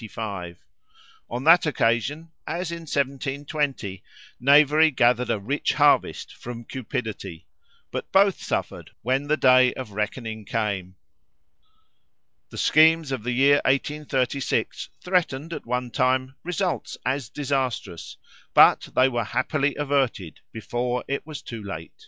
On that occasion, as in 1720, knavery gathered a rich harvest from cupidity, but both suffered when the day of reckoning came. The schemes of the year 1836 threatened, at one time, results as disastrous; but they were happily averted before it was too late.